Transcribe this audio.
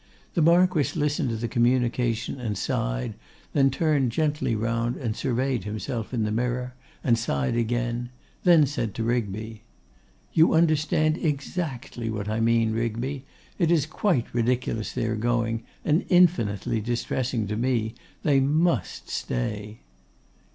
The Marquess listened to the communication and sighed, then turned gently round and surveyed himself in the mirror and sighed again, then said to Rigby, 'You understand exactly what I mean, Rigby. It is quite ridiculous their going, and infinitely distressing to me. They must stay.